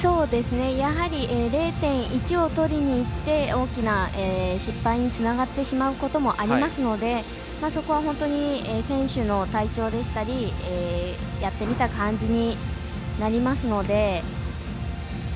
やはり０．１をとりにいって大きな失敗につながってしまうこともありますのでそこは選手の体調でしたりやってみた感じになりますので。